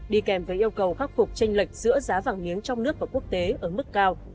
đi kèm với yêu cầu khắc phục tranh lệch giữa giá vàng miếng trong nước và quốc tế ở mức cao